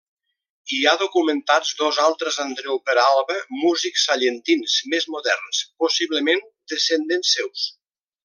Hi ha documentats dos altres Andreu Peralba músics sallentins més moderns, possiblement descendents seus.